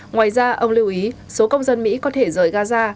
ngoài ra ông lưu ý số công dân mỹ có thể rời gaza